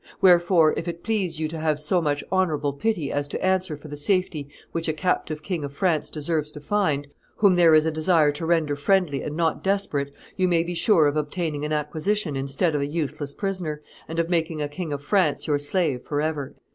Wherefore, if it please you to have so much honorable pity as to answer for the safety which a captive King of France deserves to find, whom there is a desire to render friendly and not desperate, you may be sure of obtaining an acquisition instead of a useless prisoner, and of making a King of France your slave forever."